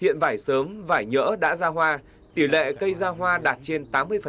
hiện vải sớm vải nhỡ đã ra hoa tỷ lệ cây ra hoa đạt trên tám mươi